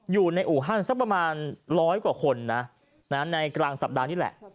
อยู่ในอู่ฮั่นสักประมาณร้อยกว่าคนนะในกลางสัปดาห์นี้แหละ